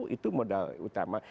itu modal utama